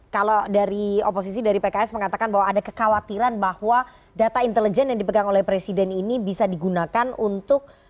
kalau dari oposisi dari pks mengatakan bahwa ada kekhawatiran bahwa data intelijen yang dipegang oleh presiden ini bisa digunakan untuk